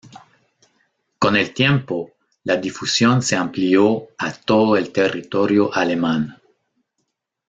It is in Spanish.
Con el tiempo, la difusión se amplió a todo el territorio alemán.